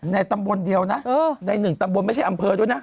ในตำบลเดียวนะใน๑ตำบลไม่ใช่อำเภอด้วยนะ